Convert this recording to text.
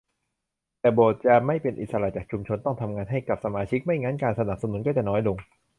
แต่โบสถ์จะไม่เป็นอิสระจากชุมชน ต้องทำงานให้กับสมาชิก ไม่งั้นการสนับสนุนก็จะน้อยลง